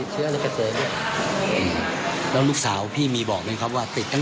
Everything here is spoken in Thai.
ส่วนพี่สาวของผู้เสียชีวิตนะคะอายุ๒๗ปีค่ะ